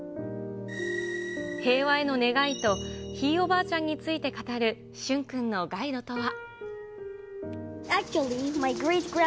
平和への願いとひいおばあちゃんについて語る駿君のガイドとは。